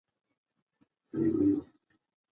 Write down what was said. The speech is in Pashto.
الهيار خان هرات د نادرافشار په مقابل کې وساته.